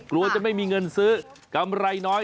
กลัวจะไม่มีเงินซื้อกำไรน้อย